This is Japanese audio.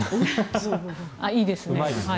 いいですね。